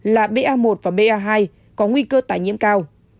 là ba một và ba hai có nguy cơ tái nhiễm cao